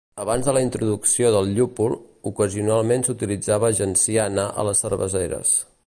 Abans de la introducció del llúpol, ocasionalment s"utilitzava genciana a les cerveseres.